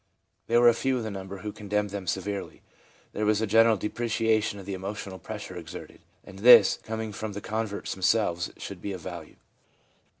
There were a few of the number who condemned them severely. There was a general depreciation of the emotional pressure exerted; and this, coming from the converts themselves, should be of value.